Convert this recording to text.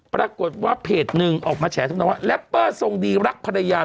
ปรากฏว่าเพจหนึ่งออกมาแฉทำนองว่าแรปเปอร์ทรงดีรักภรรยา